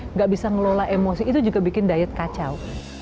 nggak bisa ngelola emosi itu juga bikin diet kacau